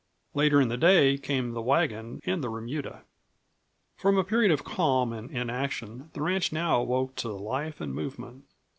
Later in the day came the wagon and the remuda. From a period of calm and inaction the ranch now awoke to life and movement.